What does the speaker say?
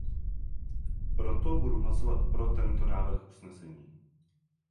Proto budu hlasovat pro tento návrh usnesení.